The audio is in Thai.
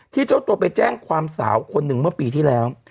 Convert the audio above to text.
เจ้าตัวไปแจ้งความสาวคนหนึ่งเมื่อปีที่แล้ว